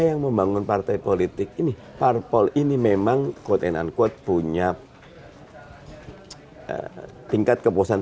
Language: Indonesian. yang membangun partai politik ini parpol ini memang quote and unquote punya tingkat kepuasan